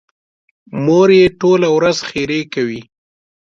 مور یې ټوله ورځ ښېرې کوي.